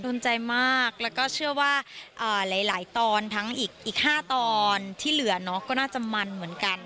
โดนใจมากแล้วก็เชื่อว่าหลายตอนทั้งอีก๕ตอนที่เหลือเนาะก็น่าจะมันเหมือนกัน